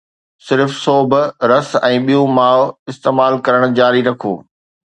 صرف سوپ، رس، ۽ ٻيون مائع استعمال ڪرڻ جاري رکو.